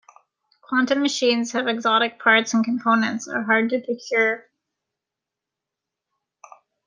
Quantum machines have exotic parts and components are hard to procure.